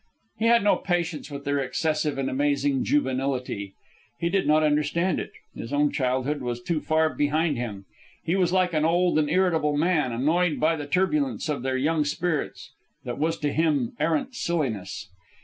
He had no patience with their excessive and amazing juvenility. He did not understand it. His own childhood was too far behind him. He was like an old and irritable man, annoyed by the turbulence of their young spirits that was to him arrant silliness.